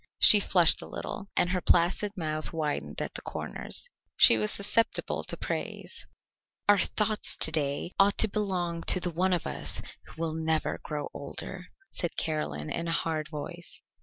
She flushed a little, and her placid mouth widened at the corners. She was susceptible to praise. "Our thoughts to day ought to belong to the one of us who will never grow older," said Caroline in a hard voice.